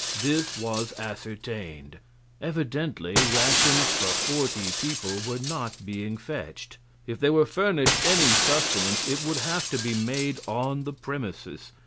This was ascertained. Evidently rations for forty people were not being fetched. If they were furnished any sustenance it would have to be made on the premises.